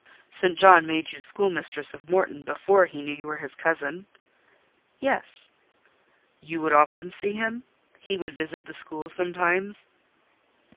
"St. John made you schoolmistress of Morton before he knew you were his cousin?" "Yes." "You would often see him? He would visit the school sometimes?"